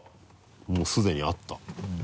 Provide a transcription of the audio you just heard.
もうすでにあった。